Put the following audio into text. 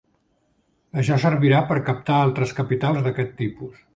Això servirà per captar altres capitals d'aquest tipus.